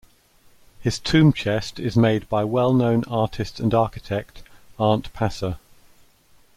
His tomb chest is made by well-known artist and architect Arent Passer.